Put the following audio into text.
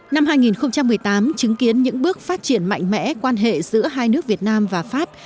năm hai nghìn một mươi tám chứng kiến những bước phát triển mạnh mẽ quan hệ giữa hai nước việt nam và pháp